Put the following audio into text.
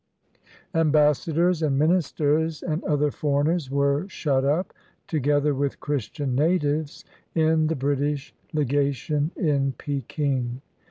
Ambassadors and ministers and other foreigners were shut up, together with Christian natives, in the British Legation in Peking.